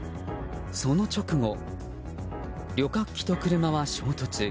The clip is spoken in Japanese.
その直後、旅客機と車は衝突。